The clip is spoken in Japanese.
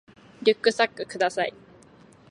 リュックサックください